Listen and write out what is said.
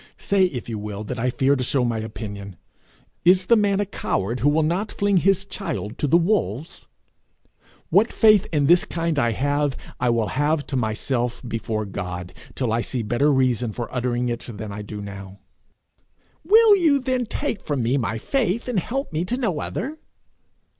Say if you will that I fear to show my opinion. Is the man a coward who will not fling his child to the wolves? What faith in this kind I have, I will have to myself before God, till I see better reason for uttering it than I do now. 'Will you then take from me my faith, and help me to no other?'